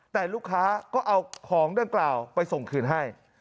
แต่ลูกค้าก็เอาของดังกล่าวไปส่งคืนให้